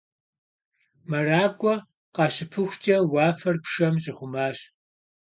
МэракӀуэ къащыпыхукӀэ, уафэр пшэм щӀихъумащ.